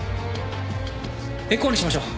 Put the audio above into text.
エコーにしましょう。